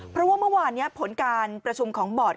เพราะว่าเมื่อวานนี้ผลการประชุมของบอร์ด